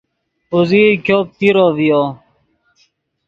اوزیر ګوپ تیرو ڤیو